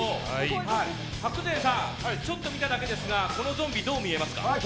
白善さんちょっと見ただけですがこのゾンビ、どう見えますか。